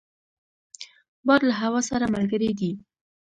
باد له هوا سره ملګری دی